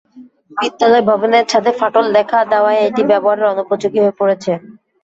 বিদ্যালয় ভবনের ছাদে ফাটল দেখা দেওয়ায় এটি ব্যবহারের অনুপযোগী হয়ে পড়েছে।